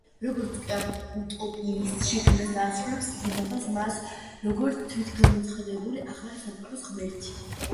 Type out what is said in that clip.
როგორც კი ამ უტოპიის შექმნას დაასრულებს, იგი მართავს მას, როგორც თვითგამოცხადებული „ახალი სამყაროს ღმერთი“.